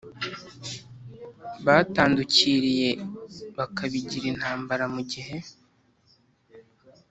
batandukiriye bakabigira intambara mu gihe